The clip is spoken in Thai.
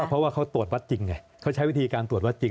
เพราะว่าเขาตรวจวัดจริงไงเขาใช้วิธีการตรวจวัดจริง